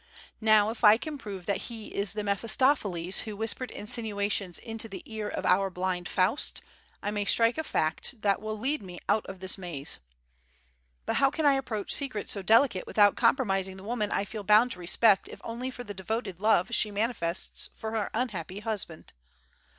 Now if I can prove that he is the Mephistopheles who whispered insinuations into the ear of our blind Faust, I may strike a fact that will lead me out of this maze. But how can I approach secrets so delicate without compromising the woman I feel bound to respect if only for the devoted love she manifests for her unhappy husband!